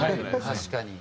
確かに。